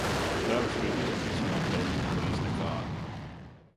Darbs bija viegls bet peļņa gandrīz nekāda.